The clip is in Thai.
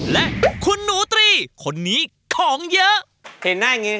เห็นหน้าอย่างงี้ด้วยคะ